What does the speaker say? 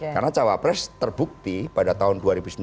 karena cawapres terbukti pada tahun dua ribu sembilan belas